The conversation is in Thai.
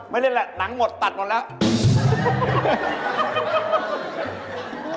เล่นแหละหนังหมดตัดหมดแล้ว